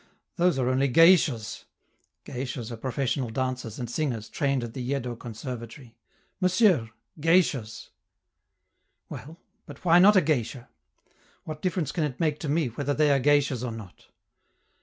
Those are only geishas, [Geishas are professional dancers and singers trained at the Yeddo Conservatory.] Monsieur geishas!" "Well, but why not a geisha? What difference can it make to me whether they are geishas or not?"